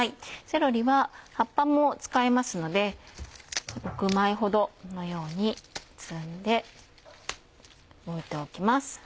セロリは葉っぱも使いますので６枚ほどこのように摘んで置いておきます。